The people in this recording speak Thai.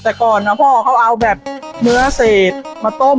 แต่ก่อนนะพ่อเขาเอาแบบเนื้อเศษมาต้ม